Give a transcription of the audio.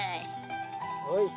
はい。